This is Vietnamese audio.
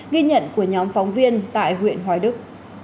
ghi nhận của nhóm phóng viên tại huyện hoài đức